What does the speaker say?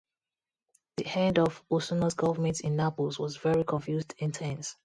The end of Osuna's government in Naples was very confused and tense.